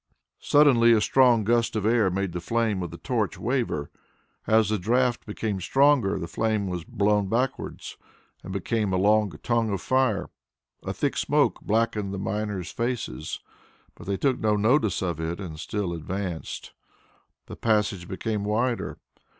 Suddenly a strong gust of air made the flame of the torch waver. As the draught became stronger the flame was blown backward and became a long tongue of fire. A thick smoke blackened the miners' faces, but they took no notice of it and still advanced. The passage became wider.